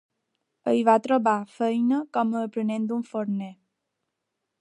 Hi va trobar faena com a aprenent d'un forner.